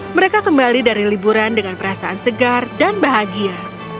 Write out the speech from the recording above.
mereka kembali dari liburan dengan perasaan segar dan bahagia